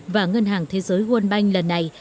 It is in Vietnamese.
và ngân hàng thế giới wkp lần này